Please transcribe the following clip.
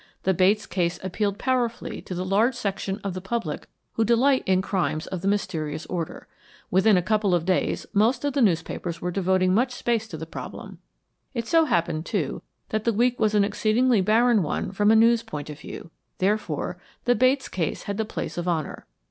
The Bates case appealed powerfully to the large section of the public who delight in crimes of the mysterious order. Within a couple of days most of the papers were devoting much space to the problem. It so happened, too, that the week was an exceedingly barren one from a news point of view; therefore, the Bates case had the place of honor.